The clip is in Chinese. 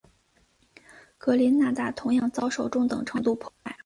格林纳达同样遭受中等程度破坏。